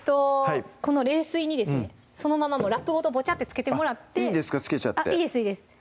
この冷水にですねそのままラップごとボチャッてつけてもらっていいんですかつけちゃっていいですいいです